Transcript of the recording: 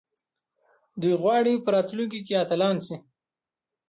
دوی غواړي په راتلونکي کې اتلان شي.